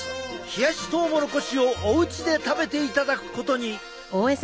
冷やしトウモロコシをおうちで食べていただくことに。